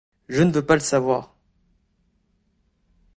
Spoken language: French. Je ne veux pas le savoir.